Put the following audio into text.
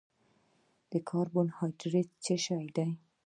کاربوهایډریټ څه شی دی؟